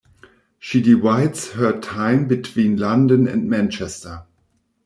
She divides her time between London and Manchester.